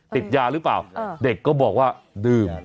ติดยาหรือเปล่าเด็กก็บอกว่าดื่ม